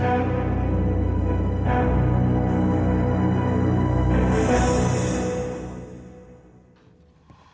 yang sepupu banget